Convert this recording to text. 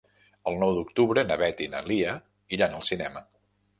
El nou d'octubre na Beth i na Lia iran al cinema.